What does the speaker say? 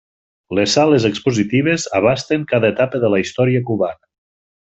Les sales expositives abasten cada etapa de la història cubana.